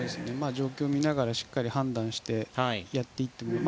状況を見ながらしっかり判断してやっていって。